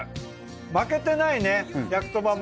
負けてないね焼きそばも。